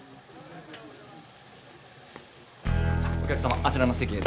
お客様あちらの席へ。